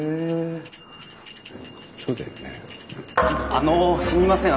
あのすみません